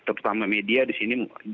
terutama media di sini